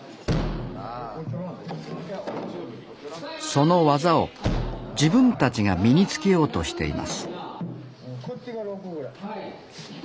その技を自分たちが身に付けようとしています